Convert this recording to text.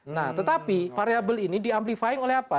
nah tetapi variable ini di amplifying oleh apa